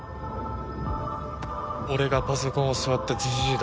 俺がパソコン教わったじじいだ。